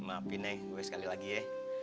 maafin nih gue sekali lagi ya